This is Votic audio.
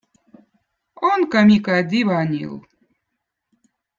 onko Miko d̕iivanill